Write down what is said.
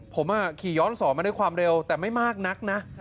ผมขี่ย้อนสอนมาด้วยความเร็วแต่ไม่มากนักนะ